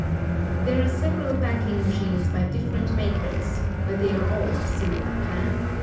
] There are several backing machines by different makers but they are all of similar plan.